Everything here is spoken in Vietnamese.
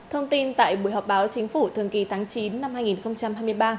thông tin tại buổi họp báo chính phủ thường kỳ tháng chín năm hai nghìn hai mươi ba